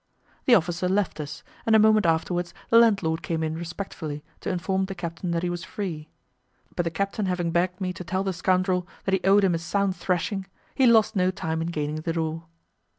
The officer left us, and a moment afterwards the landlord came in respectfully, to inform the captain that he was free, but the captain having begged me to tell the scoundrel that he owed him a sound thrashing, he lost no time in gaining the door.